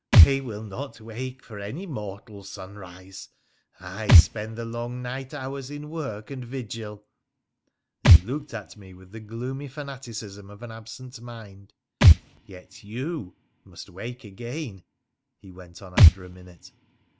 They will not wake for any mortal sunrise, and I spend the long night hours in work and vigil '—and he looked at me with the gloomy fanaticism of an absent mind — 'yet you must wake again,' he went on after a minute.